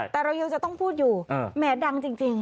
แต่เรายังจะต้องพูดอยู่แหมดังจริง